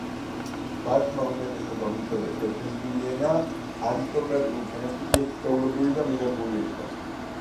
მათმა უმეტესობამ იცოდა ჩერქეზული ენა, არისტოკრატიულ ფენაში კი ეს ჩვეულებრივი და მიღებული იყო.